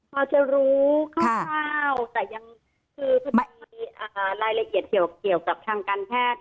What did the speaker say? พอจะรู้คร่าวแต่ยังคือมันมีรายละเอียดเกี่ยวกับทางการแพทย์